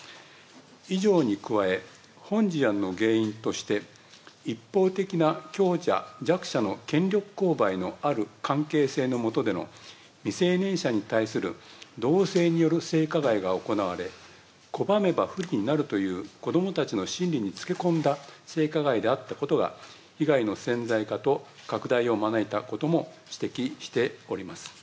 以上に加え、本事案の原因として一方的な強者、弱者の権力勾配のある関係性の下での未成年者に対する同性による性加害が行われ、拒めば不利になるという子どもたちの心理につけこんだ性加害であったことが、被害の潜在化と拡大を招いたことも指摘しております。